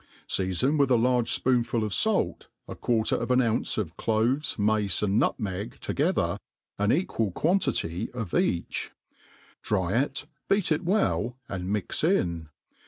Seafon with a large fpoonful of fait, a quarter of an ounce of cloves, mace, and nutmeg together, an equal quatiltity of each; dry it, beat it well, and mix in.